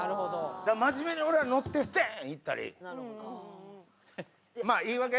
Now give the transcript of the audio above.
真面目に俺は乗ってステン！いったり。